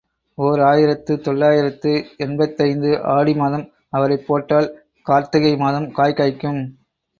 ஓர் ஆயிரத்து தொள்ளாயிரத்து எண்பத்தைந்து ஆடிமாதம் அவரை போட்டால் கார்ர்த்திகை மாதம் காய்காய்க்கும்.